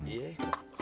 iya kok susah banget